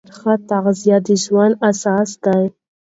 ښه تغذیه د ژوند اساس ده.